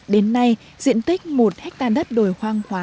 đến nay diện tích một hectare đất đồi hoang hóa